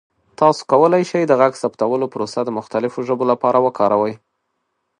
تاسو کولی شئ د غږ ثبتولو پروسه د مختلفو ژبو لپاره کاروئ.